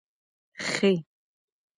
خ